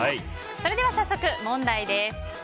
それでは、問題です。